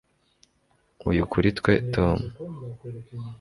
uyu kuri twe, tom